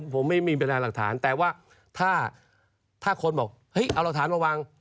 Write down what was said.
ผมไม่มีแบรนด์หลักฐานแต่ว่าถ้าถ้าคนบอกเอาหลักฐานระวัง